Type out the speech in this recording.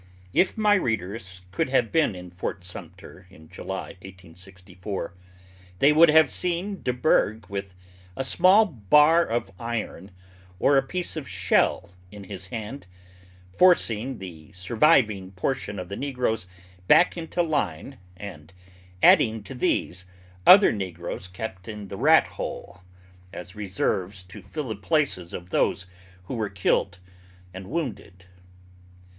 If my readers could have been in Fort Sumter in July, 1864, they would have seen Deburgh with a small bar of iron or a piece of shell in his hand, forcing the surviving portion of the negroes back into line and adding to these, other negroes kept in the Rat hole as reserves to fill the places of those who were killed and wounded.